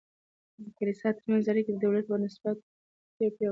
د کلیسا ترمنځ اړیکې د دولت په نسبت ډیر پیاوړي دي.